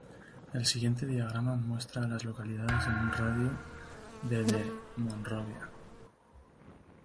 El siguiente diagrama muestra a las localidades en un radio de de Monrovia.